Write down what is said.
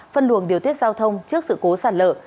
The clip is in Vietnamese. phân luồng điều tiết giao thông trước sự cố sản lở